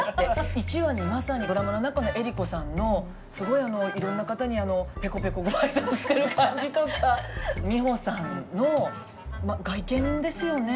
１話にまさにドラマの中の江里子さんのすごいいろんな方にペコペコご挨拶してる感じとか美穂さんの外見ですよね。